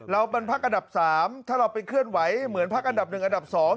เราเป็นพักอันดับ๓ถ้าเราไปเคลื่อนไหวเหมือนพักอันดับ๑อันดับ๒